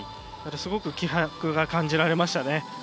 すごく気迫が感じられました。